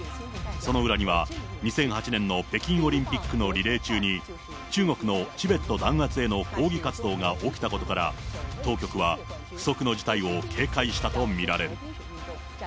その裏には、２００８年の北京オリンピックのリレー中に、中国のチベット弾圧への抗議活動が起きたことから、当局は不測の事態を警戒したと見られる。